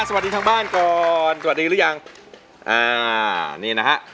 สวัสดีทางบ้านก่อนสวัสดีหรือยังอ่านี่นะฮะ